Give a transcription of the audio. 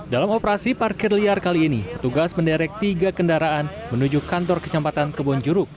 dalam operasi parkir liar kali ini tugas menderek tiga kendaraan menuju kantor kejampatan kebun jeruk